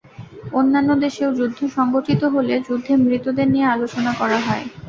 অন্যান্য দেশেও যুদ্ধ সংঘটিত হলে যুদ্ধে মৃতদের নিয়ে আলোচনা করা হয়।